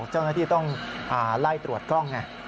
เจ้าหน้าที่ต้องไล่ตรวจกล้องไง